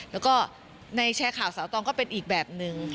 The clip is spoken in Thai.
แล้วก็ในแชร์ข่าวสาวตองก็เป็นอีกแบบหนึ่ง